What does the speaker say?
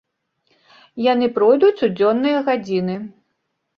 Яны пройдуць у дзённыя гадзіны.